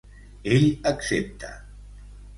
Ell accepta.